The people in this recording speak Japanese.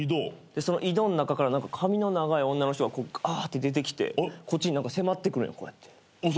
その井戸の中から髪の長い女の人ががーって出てきてこっちに迫ってくるんよこうやって。